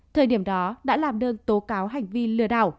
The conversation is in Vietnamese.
thời điểm đó đã làm đơn tố cáo hành vi lừa đảo